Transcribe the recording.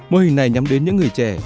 mô hình này nhắm đến những người trẻ